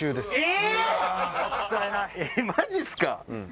えっマジっすか？